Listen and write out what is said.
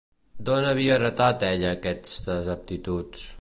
D'on havia heretat ella aquestes aptituds?